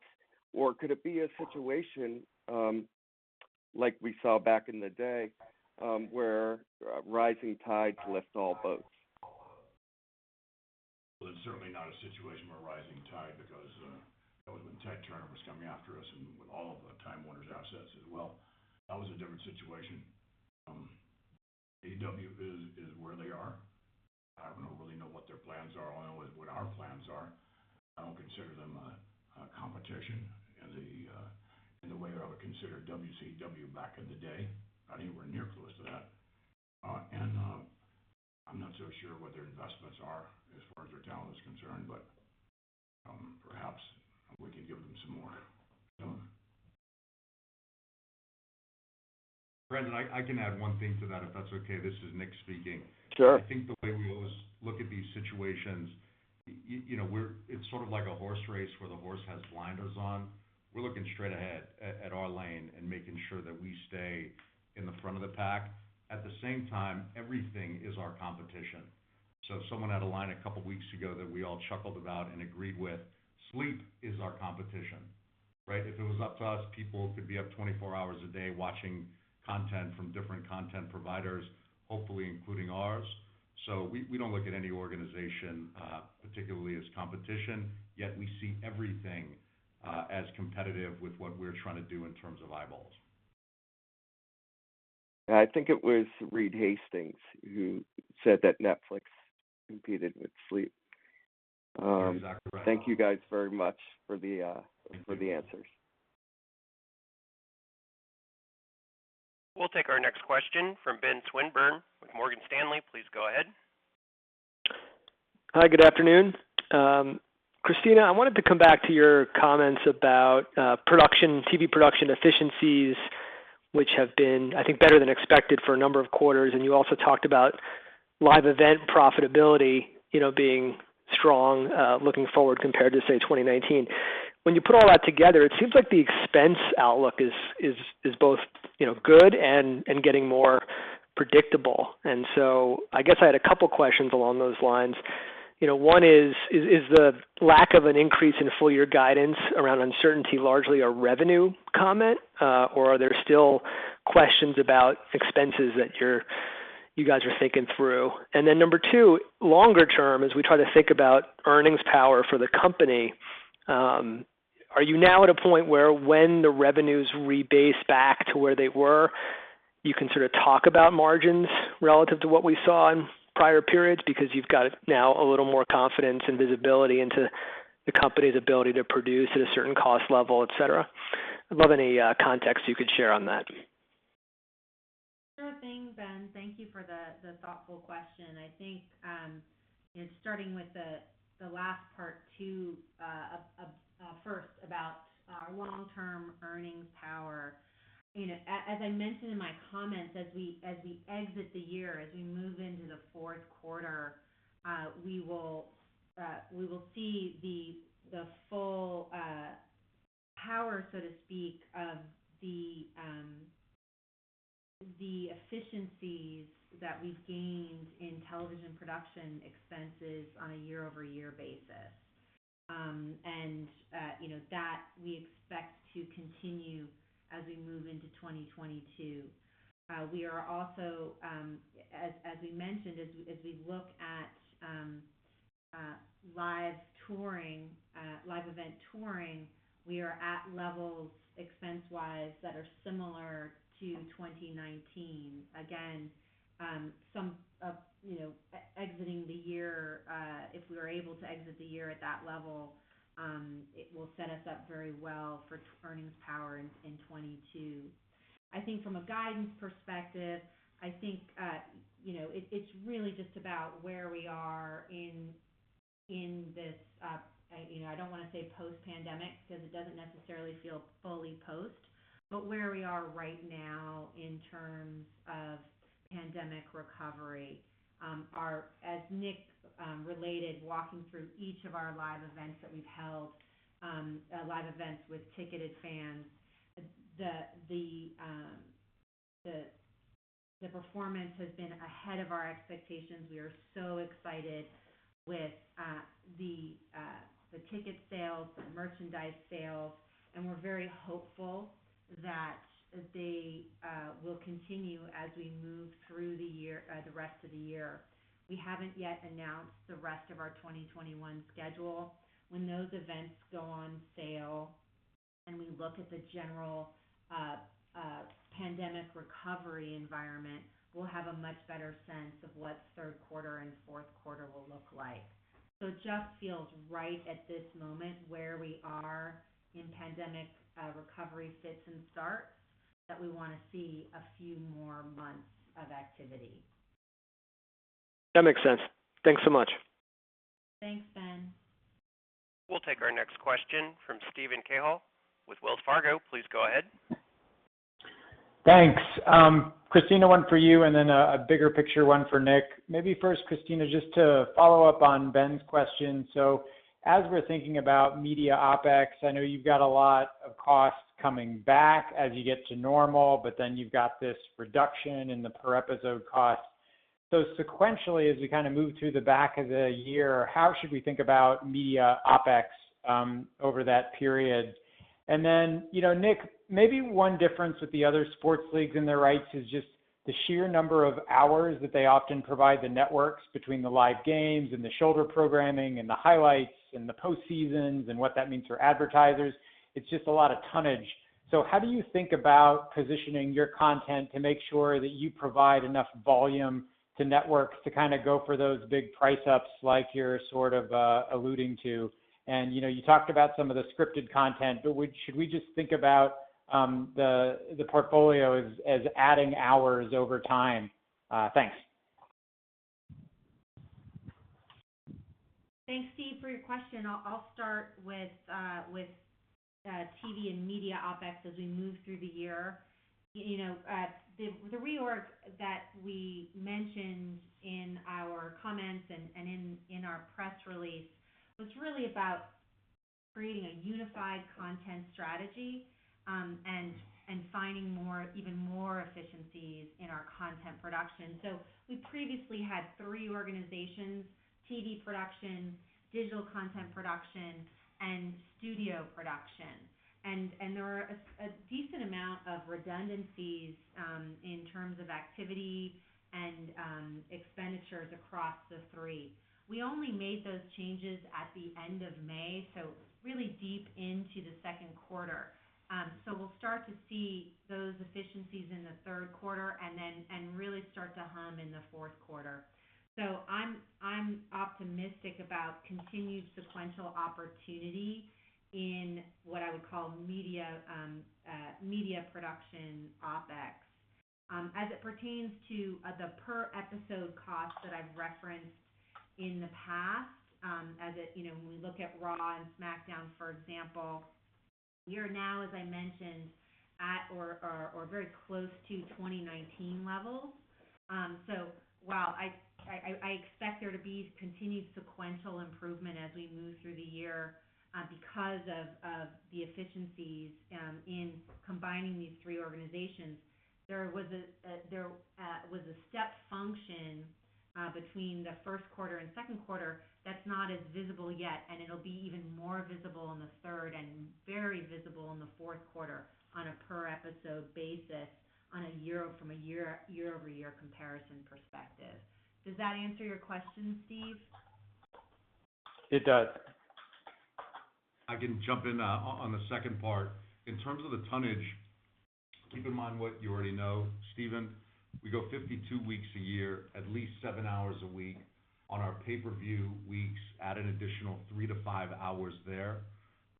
Could it be a situation, like we saw back in the day, where rising tides lifts all boats? Well, it's certainly not a situation where rising tide because that was when Ted Turner was coming after us and with all of the Time Warner's assets as well. That was a different situation. AEW is where they are. I don't really know what their plans are, all I know is what our plans are. I don't consider them a competition in the way I would consider WCW back in the day. Not anywhere near close to that. I'm not so sure what their investments are as far as their talent is concerned, but perhaps we could give them some more. Brandon, I can add one thing to that, if that's okay. This is Nick speaking. Sure. I think the way we always look at these situations, it's sort of like a horse race where the horse has blinders on. We're looking straight ahead at our lane and making sure that we stay in the front of the pack. Everything is our competition. Someone had a line a couple of weeks ago that we all chuckled about and agreed with. Sleep is our competition, right? If it was up to us, people could be up 24 hours a day watching content from different content providers, hopefully including ours. We don't look at any organization particularly as competition, yet we see everything as competitive with what we're trying to do in terms of eyeballs. I think it was Reed Hastings who said that Netflix competed with sleep. Yeah, he's not for right now. Thank you guys very much for the answers. We'll take our next question from Benjamin Swinburne with Morgan Stanley. Please go ahead. Hi, good afternoon. Kristina, I wanted to come back to your comments about TV production efficiencies, which have been, I think, better than expected for a number of quarters. You also talked about live event profitability being strong looking forward compared to, say, 2019. When you put all that together, it seems like the expense outlook is both good and getting more predictable. I guess I had a couple questions along those lines. One is the lack of an increase in full year guidance around uncertainty largely a revenue comment? Or are there still questions about expenses that you guys are thinking through? Number two, longer term, as we try to think about earnings power for the company, are you now at a point where when the revenues rebase back to where they were, you can sort of talk about margins relative to what we saw in prior periods because you've got now a little more confidence and visibility into the company's ability to produce at a certain cost level, et cetera? I'd love any context you could share on that. Sure thing, Ben. Thank you for the thoughtful question. I think in starting with the last part first, about our long-term earnings power. As I mentioned in my comments, as we exit the year, as we move into the fourth quarter, we will see the full power, so to speak, of the efficiencies that we've gained in television production expenses on a year-over-year basis. That we expect to continue as we move into 2022. We are also, as we mentioned, as we look at live event touring, we are at levels expense-wise that are similar to 2019. Again, exiting the year, if we are able to exit the year at that level, it will set us up very well for earnings power in 2022. I think from a guidance perspective, it's really just about where we are in this, I don't want to say post-pandemic because it doesn't necessarily feel fully post, but where we are right now in terms of pandemic recovery. As Nick related, walking through each of our live events that we've held, live events with ticketed fans, the performance has been ahead of our expectations. We are so excited with the ticket sales, the merchandise sales, and we're very hopeful that they will continue as we move through the rest of the year. We haven't yet announced the rest of our 2021 schedule. When those events go on sale and we look at the general pandemic recovery environment, we'll have a much better sense of what third quarter and fourth quarter will look like. It just feels right at this moment where we are in pandemic recovery fits and starts that we want to see a few more months of activity. That makes sense. Thanks so much. Thanks, Ben. We'll take our next question from Steven Cahall with Wells Fargo. Please go ahead. Thanks. Kristina, one for you, and then a bigger picture one for Nick. Maybe first, Kristina, just to follow up on Ben's question. As we're thinking about media OpEx, I know you've got a lot of costs coming back as you get to normal, but then you've got this reduction in the per episode cost. Sequentially, as we move to the back of the year, how should we think about media OpEx over that period? Nick, maybe one difference with the other sports leagues and their rights is just the sheer number of hours that they often provide the networks between the live games and the shoulder programming and the highlights and the post-season's and what that means for advertisers. It's just a lot of tonnage. How do you think about positioning your content to make sure that you provide enough volume to networks to go for those big price ups like you're alluding to? You talked about some of the scripted content, but should we just think about the portfolio as adding hours over time? Thanks. Thanks, Steve, for your question. I'll start with TV and media OpEx as we move through the year. The reorg that we mentioned in our comments and in our press release was really about creating a unified content strategy, and finding even more efficiencies in our content production. We previously had three organizations, TV production, digital content production, and studio production. There were a decent amount of redundancies in terms of activity and expenditures across the three. We only made those changes at the end of May, so really deep into the second quarter. We'll start to see those efficiencies in the third quarter and then really start to hum in the fourth quarter. I'm optimistic about continued sequential opportunity in what I would call media production OpEx. As it pertains to the per episode cost that I've referenced in the past, when we look at Raw and SmackDown, for example, we are now, as I mentioned, at or very close to 2019 levels. While I expect there to be continued sequential improvement as we move through the year because of the efficiencies in combining these three organizations, there was a step function between the first quarter and second quarter that's not as visible yet, and it'll be even more visible in the third and very visible in the fourth quarter on a per episode basis from a year-over-year comparison perspective. Does that answer your question, Steven? It does. I can jump in on the second part. In terms of the tonnage. Keep in mind what you already know, Steven. We go 52 weeks a year, at least seven hours a week. On our pay-per-view weeks, add an additional 3-5 hours there.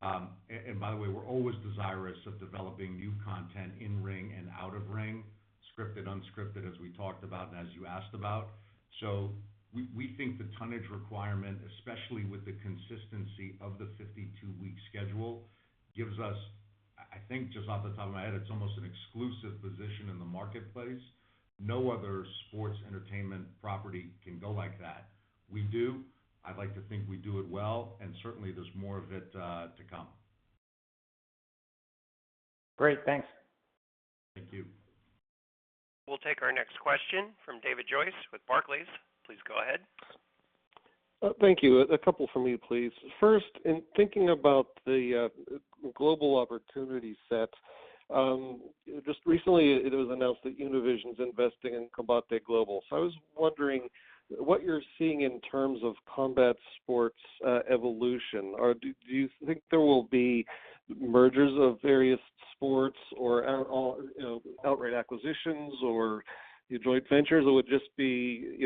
By the way, we're always desirous of developing new content in-ring and out-of-ring, scripted, unscripted, as we talked about, and as you asked about. We think the tonnage requirement, especially with the consistency of the 52-week schedule, gives us, I think, just off the top of my head, it's almost an exclusive position in the marketplace. No other sports entertainment property can go like that. We do. I'd like to think we do it well, certainly, there's more of it to come. Great. Thanks. Thank you. We'll take our next question from David Joyce with Barclays. Please go ahead. Thank you. A couple from me, please. First, in thinking about the global opportunity set, just recently it was announced that Univision's investing in Combate Global. I was wondering what you're seeing in terms of combat sports evolution, or do you think there will be mergers of various sports or outright acquisitions or joint ventures that would just be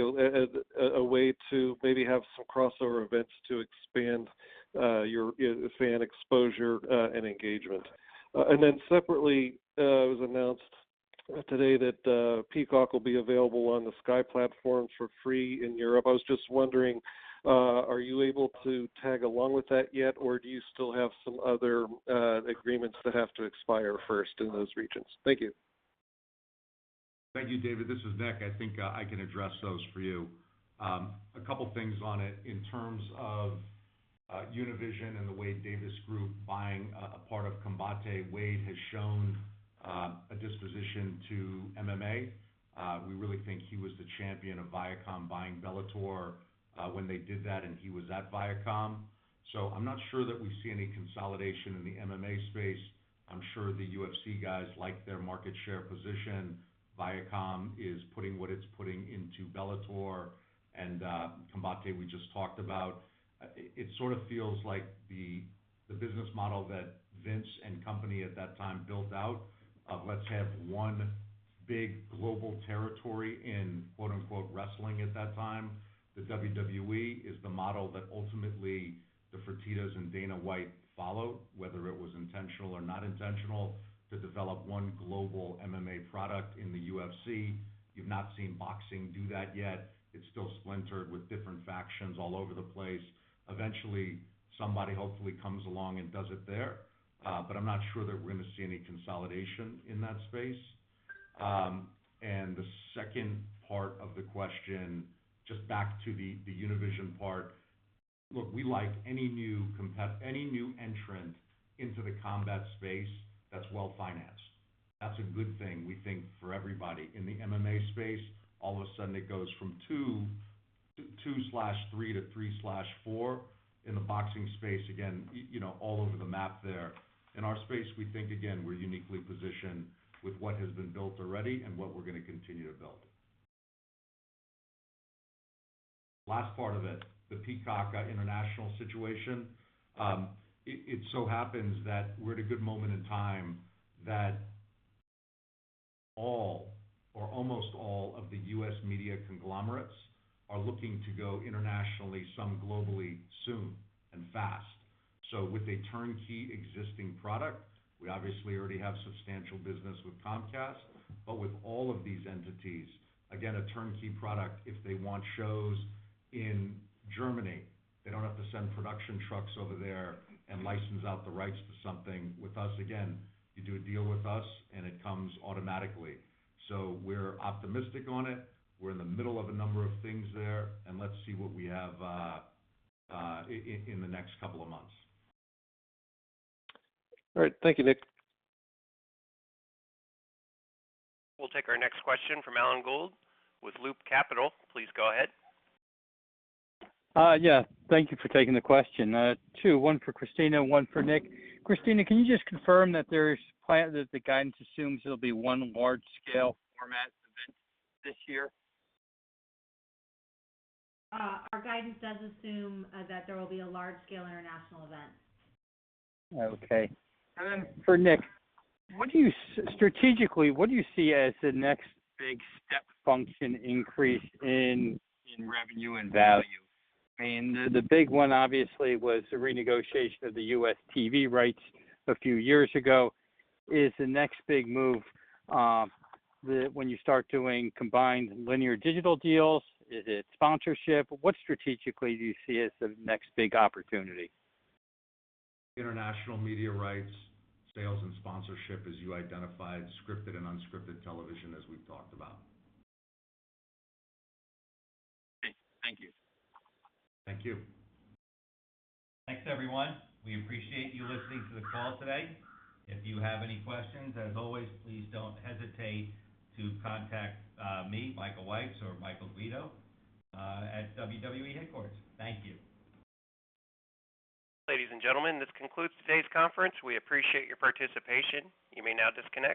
a way to maybe have some crossover events to expand your fan exposure and engagement? Separately, it was announced today that Peacock will be available on the Sky platform for free in Europe. I was just wondering, are you able to tag along with that yet, or do you still have some other agreements that have to expire first in those regions? Thank you. Thank you, David. This is Nick. I think I can address those for you. A couple things on it in terms of Univision and the Wade Davis group buying a part of Combate. Wade has shown a disposition to MMA. We really think he was the champion of Viacom buying Bellator when they did that, and he was at Viacom. I'm not sure that we see any consolidation in the MMA space. I'm sure the UFC guys like their market share position. Viacom is putting what it's putting into Bellator and Combate, we just talked about. It sort of feels like the business model that Vince and company at that time built out of let's have one big global territory in wrestling at that time. The WWE is the model that ultimately the Fertittas and Dana White followed, whether it was intentional or not intentional, to develop one global MMA product in the UFC. You've not seen boxing do that yet. It's still splintered with different factions all over the place. Eventually, somebody hopefully comes along and does it there. I'm not sure that we're going to see any consolidation in that space. The second part of the question, just back to the Univision part. Look, we like any new entrant into the combat space that's well-financed. That's a good thing we think for everybody. In the MMA space, all of a sudden, it goes from two/three to three/four. In the boxing space, again, all over the map there. In our space, we think, again, we're uniquely positioned with what has been built already and what we're going to continue to build. Last part of it, the Peacock international situation. It so happens that we're at a good moment in time that all or almost all of the U.S. media conglomerates are looking to go internationally, some globally, soon and fast. With a turnkey existing product, we obviously already have substantial business with Comcast. With all of these entities, again, a turnkey product, if they want shows in Germany, they don't have to send production trucks over there and license out the rights to something. With us, again, you do a deal with us, and it comes automatically. We're optimistic on it, we're in the middle of a number of things there, and let's see what we have in the next couple of months. All right. Thank you, Nick. We'll take our next question from Alan Gould with Loop Capital. Please go ahead. Yeah. Thank you for taking the question. Two, one for Kristina and one for Nick. Kristina, can you just confirm that the guidance assumes there'll be one large-scale format event this year? Our guidance does assume that there will be a large-scale international event. Okay. For Nick, strategically, what do you see as the next big step function increase in revenue and value? I mean, the big one obviously was the renegotiation of the U.S. TV rights a few years ago. Is the next big move when you start doing combined linear digital deals? Is it sponsorship? What strategically do you see as the next big opportunity? International media rights, sales, and sponsorship as you identified, scripted and unscripted television as we've talked about. Great. Thank you. Thank you. Thanks, everyone. We appreciate you listening to the call today. If you have any questions, as always, please don't hesitate to contact me, Michael Weitz or Michael Guido at WWE headquarters. Thank you. Ladies and gentlemen, this concludes today's conference. We appreciate your participation. You may now disconnect.